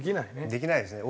できないですね。